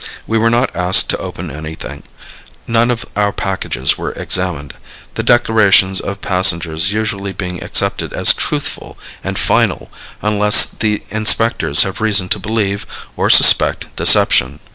We were not asked to open anything, none of our packages were examined, the declarations of passengers usually being accepted as truthful and final unless the inspectors have reason to believe or suspect deception.